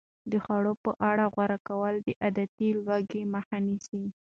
د خوړو په اړه غور کول د عادتي لوږې مخه نیسي.